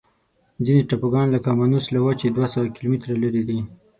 ځینې ټاپوګان لکه مانوس له وچې دوه سوه کیلومتره لري.